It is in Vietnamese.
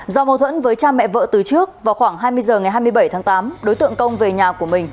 do mâu thuẫn với cha mẹ vợ từ trước vào khoảng hai mươi h ngày hai mươi bảy tháng tám đối tượng công về nhà của mình